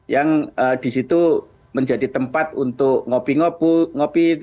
yang di situ menjadi tempat untuk ngopi ngopi